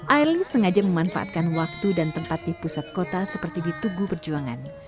airely sengaja memanfaatkan waktu dan tempat di pusat kota seperti ditugu perjuangan